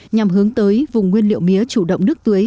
nhằm hướng tới vùng nguyên liệu mía chủ động nước tưới